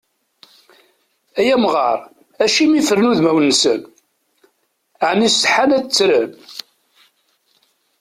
Ay amɣar, acimi fren udmawen-nsen? Ɛni setḥan ad ttren?